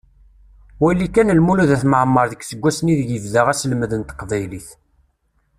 Wali kan Lmulud At Mεemmer deg yiseggasen ideg ibda aselmed n teqbaylit.